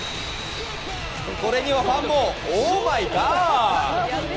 これにはファンも、オーマイガー！